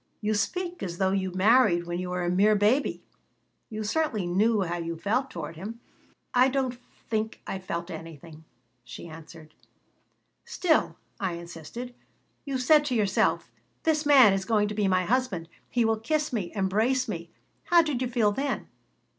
"You speak as though you married when you were a mere baby. You certainly knew how you felt toward him." "I don't think I felt anything," she answered "Still," I insisted, "you said to yourself, 'This man is going to be my husband; he will kiss me, embrace me.' How did you feel then?"